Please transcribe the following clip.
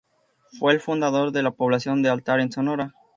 Fue el fundador de la población de Altar en Sonora.